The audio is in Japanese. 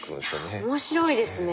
いや面白いですね。